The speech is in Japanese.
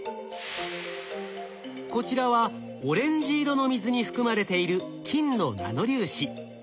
こちらはオレンジ色の水に含まれている金のナノ粒子。